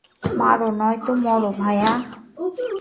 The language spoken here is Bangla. মারো নয়তো মরো, ভায়া।